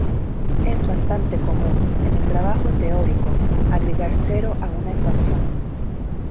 Es bastante común en el trabajo teórico agregar cero a una ecuación.